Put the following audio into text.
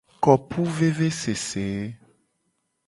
Kopuvevesese.